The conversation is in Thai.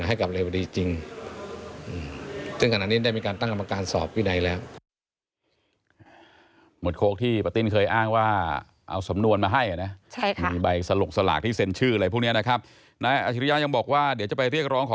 ให้กับเรียบดีจริงจึงขนาดนี้ได้มีการตั้งกรรมการสอบ